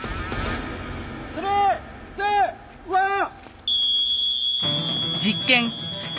スリーツーワン！